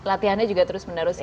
latihan nya juga terus menerus ya